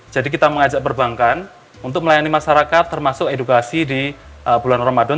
jadi kita mengajak perbankan untuk melayani masyarakat termasuk edukasi di bulan ramadan